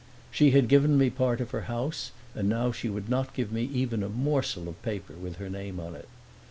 She had given me part of her house, and now she would not give me even a morsel of paper with her name on it.